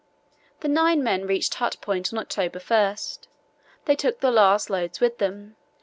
The nine men reached Hut Point on October 1. They took the last loads with them.